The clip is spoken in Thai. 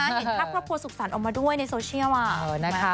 เห็นภาพครอบครัวสุขสรรค์ออกมาด้วยในโซเชียล